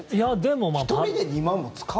１人で２万も使う？